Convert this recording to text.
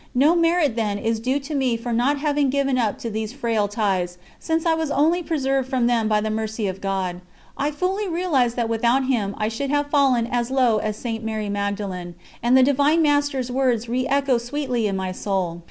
No merit, then, is due to me for not having given up to these frail ties, since I was only preserved from them by the Mercy of God. I fully realised that without Him I should have fallen as low as St. Mary Magdalen, and the Divine Master's words re echoed sweetly in my soul.